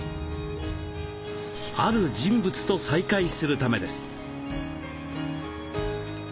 ある人物と再会するためです。